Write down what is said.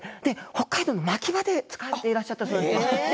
北海道の牧場で使われていらっしゃったと。